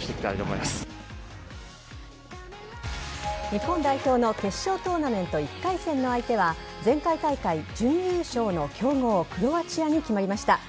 日本代表の決勝トーナメント１回戦の相手は前回大会準優勝の強豪・クロアチアに決まりました。